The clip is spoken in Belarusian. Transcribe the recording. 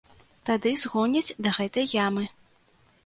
Тады згоняць да гэтай ямы.